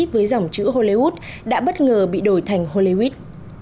với dòng chữ hollywood đã bất ngờ bị đổi thành hollywit